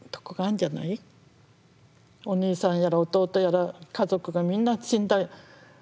お兄さんやら弟やら家族がみんな死んだ。